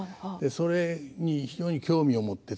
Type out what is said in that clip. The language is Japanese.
それに非常に興味を持って。